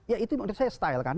ya itu menurut saya style kan